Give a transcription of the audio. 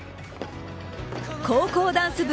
高校ダンス部